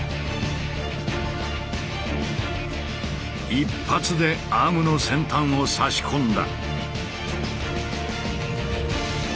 一発でアームの先端を差し込んだ！